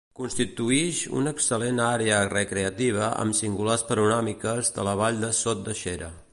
Constituïx una excel·lent àrea recreativa amb singulars panoràmiques de la vall de Sot de Xera.